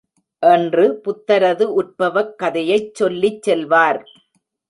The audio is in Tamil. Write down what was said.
என்று புத்தரது உற்பவக் காதையைச் சொல்லிச் செல்வார்.